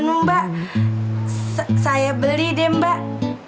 nu mbak saya beli deh mbak